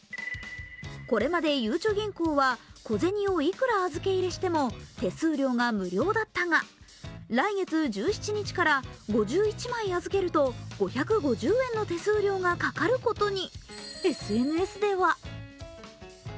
これまでゆうちょ銀行は小銭をいくら預け入れしても手数料が無料だったが、来月１７日から５１枚預けると５５０円の手数料がかかることに。